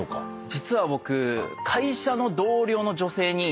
実は僕。